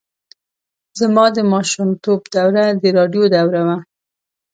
زما د ماشومتوب دوره د راډیو دوره وه.